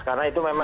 karena itu memang